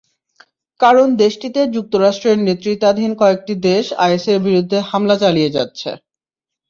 কারণ দেশটিতে যুক্তরাষ্ট্রের নেতৃত্বাধীন কয়েকটি দেশ আইএসের বিরুদ্ধে হামলা চালিয়ে যাচ্ছে।